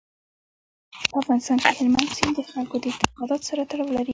په افغانستان کې هلمند سیند د خلکو د اعتقاداتو سره تړاو لري.